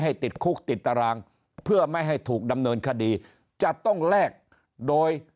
ติดคุกติดตารางเพื่อไม่ให้ถูกดำเนินคดีจะต้องแลกโดย